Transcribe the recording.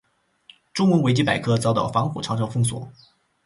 中文维基百科遭到防火长城封锁。